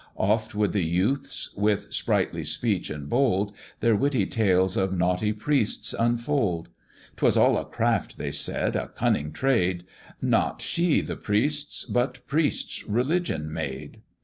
Oft would the youths, with sprightly speech and bold, Their witty tales of naughty priests unfold; 'Twas all a craft,' they said, 'a cunning trade; Not she the priests, but priests Religion made.'